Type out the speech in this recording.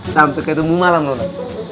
sampai ketemu malam nona